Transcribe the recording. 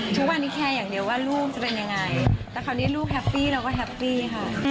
ทุกวันนี้แคร์อย่างเดียวว่าลูกจะเป็นยังไงแต่คราวนี้ลูกแฮปปี้เราก็แฮปปี้ค่ะ